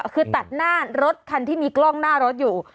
คือตัดหน้ารถคันที่มีกล้องหน้ารถอยู่